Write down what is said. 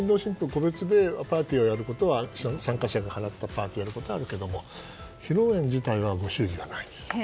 個別でパーティーをやることは参加者が払ってパーティーをやることはあるけど披露宴自体はご祝儀がない。